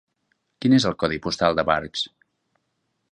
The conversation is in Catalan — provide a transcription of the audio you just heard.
Quin és el codi postal de Barx?